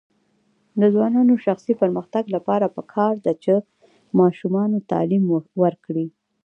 د ځوانانو د شخصي پرمختګ لپاره پکار ده چې ماشومانو تعلیم ورکړي.